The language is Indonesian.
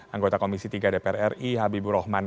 anggota komisi tiga dpr ri habibur rahman